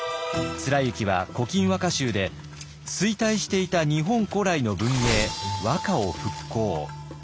貫之は「古今和歌集」で衰退していた日本古来の文明和歌を復興。